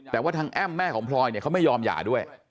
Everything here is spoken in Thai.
แต่ว่าทางแอ้มแม่ของพลอยเนี่ยเขาไม่ยอมหย่าด้วย